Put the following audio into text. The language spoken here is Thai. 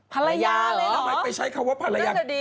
ภรรยาเลยเหรอเดี๋ยวจะดีเขามีเมียแล้วเหรอแอนล์ท์จี๊